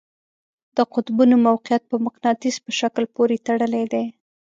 د قطبونو موقیعت په مقناطیس په شکل پورې تړلی دی.